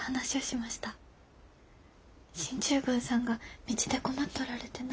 進駐軍さんが道で困っとられてな。